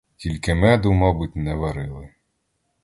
Тільки меду, мабуть, не варили.